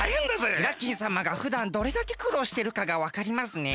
イラッキンさまがふだんどれだけくろうしてるかがわかりますね。